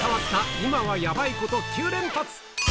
今はやばいこと９連発！